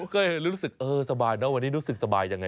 ก็เลยรู้สึกเออสบายนะวันนี้รู้สึกสบายยังไง